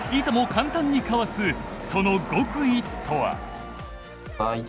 簡単にかわすその極意とは？